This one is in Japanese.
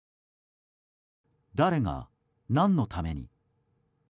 誰が何のために。